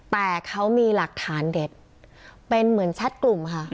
แต่เขามีหลักฐานเด็ดเป็นเหมือนแชทกลุ่มค่ะ